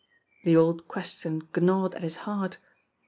The old question gnawed at his heart.